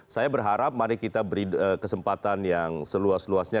saya berharap mari kita beri kesempatan yang seluas luasnya